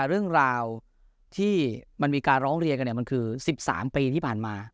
เรื่องราวที่มันมีการร้องเรียนกันมันคือ๑๓ปีที่ผ่านมา